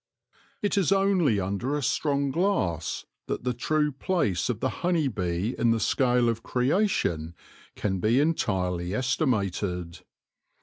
It is only under a strong glass that the true place of the honey bee in the scale of creation can be entirely estimated.